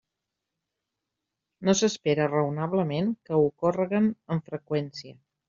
No s'espera, raonablement, que ocórreguen amb freqüència.